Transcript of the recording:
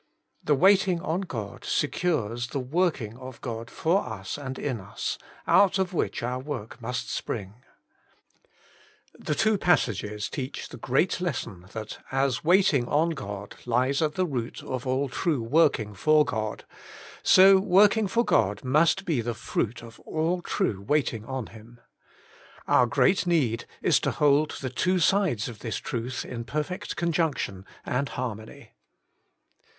The waiting on God secures the working of God for us and in us, out of which our work must spring. The two II 12 Working for God passages teach the great lesson, that as waiting on God hes at the root of all true working for God, so working for God must be the fruit of all true waiting on Him. Our great need is to hold the two sides of the truth in perfect conjunction and har mony.